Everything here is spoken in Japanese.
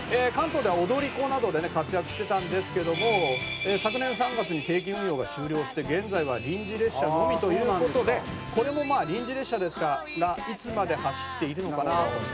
「関東では踊り子などでね活躍してたんですけども昨年３月に定期運用が終了して現在は臨時列車のみという事でこれもまあ臨時列車ですからいつまで走っているのかなと」